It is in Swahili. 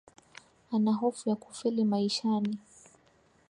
Ana hofu ya kufeli maishani